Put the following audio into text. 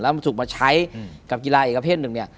แล้วถูกมาใช้กับกีฬาอีกประเภทหนึ่ง